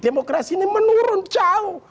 demokrasi ini menurun jauh